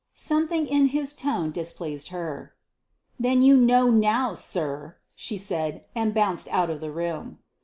Something in his tone displeased her. "Then you know now, sir," she said, and bounced out of the room.